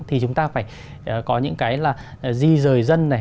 thì chúng ta phải có những cái là di rời dân này